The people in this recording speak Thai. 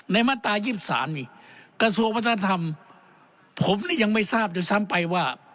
มาตราย๒๓นี่กระทรวงวัฒนธรรมผมนี่ยังไม่ทราบด้วยซ้ำไปว่า